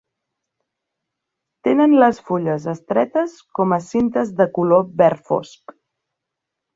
Tenen les fulles estretes com a cintes de color verd fosc.